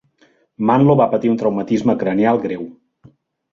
Mantlo va patir un traumatisme cranial greu.